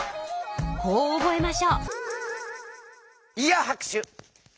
こう覚えましょう！